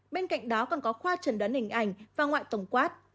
bên cạnh đó còn có khoa trần đoán hình ảnh và ngoại tổng quát